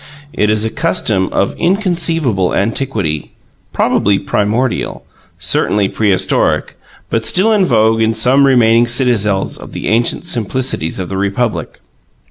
It is a custom of inconceivable antiquity: probably primordial, certainly prehistoric, but still in vogue in some remaining citadels of the ancient simplicities of the Republic.